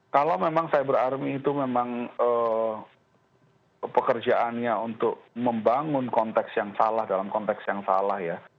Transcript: kalau memang cyber army itu memang pekerjaannya untuk membangun konteks yang salah dalam konteks yang salah ya